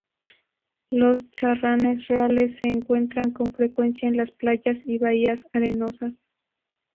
Los charranes reales se encuentran con frecuencia en las playas y bahías arenosas.